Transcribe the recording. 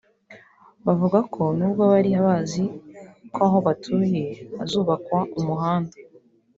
Bavuga ko n’ubwo bari bazi ko aho batuye hazubakwa umuhanda